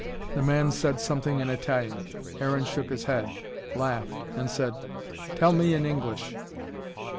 The man said something in Italian. Aaron shook his head, laughed, and said: "Tell me in English."